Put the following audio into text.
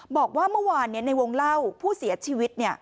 บอกว่าเมื่อวานในวงเล่าผู้เสียชีวิต